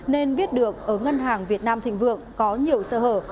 nên biết được ở ngân hàng việt nam thị vượng có nhiều sợ hở